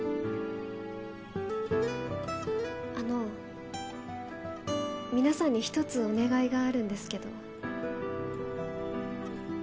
あの皆さんにひとつお願いがあるんですけど。